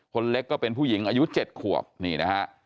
คนเล็กก็เป็นผู้หญิงอายุ๗ขวบนี่นะฮะ